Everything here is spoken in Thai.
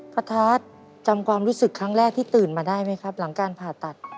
ทัศน์จำความรู้สึกครั้งแรกที่ตื่นมาได้ไหมครับหลังการผ่าตัด